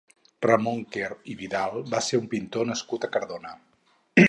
Ramon Quer i Vidal va ser un pintor nascut a Cardona.